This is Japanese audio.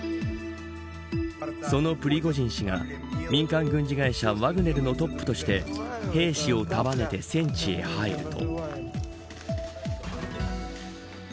そのプリゴジン氏が民間軍事会社ワグネルのトップとして兵士を束ねて戦地へ入ると。